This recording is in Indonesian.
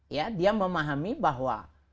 ya dia memahami bahwa